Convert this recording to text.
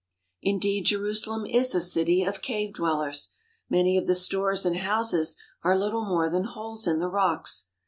Indeed, Jerusalem is a city of cave dwellers. Many of the stores and houses are little more than holes in the rocks.